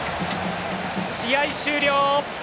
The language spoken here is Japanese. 試合終了！